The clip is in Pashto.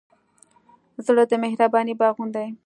زړه د مهربانۍ باغوان دی.